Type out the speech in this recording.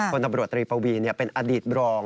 คนตำรวจตรีปวีนเป็นอดีตรอง